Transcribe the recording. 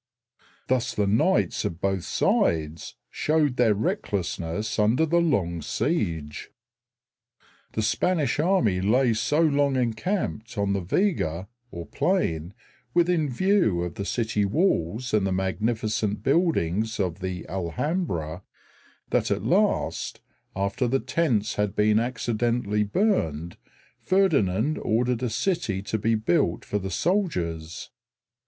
Thus the knights of both sides showed their recklessness under the long siege. The Spanish army lay so long encamped on the vega (plain) within view of the city walls and the magnificent buildings of the Alhambra that at last, after the tents had been accidentally burned, Ferdinand ordered a city to be built for the soldiers.